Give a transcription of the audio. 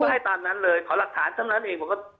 ได้ภายตามนั่นเลยขอหลักฐานเท่านั้นเอง